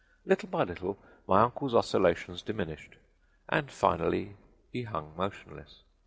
Little by little my uncle's oscillations diminished, and finally he hung motionless.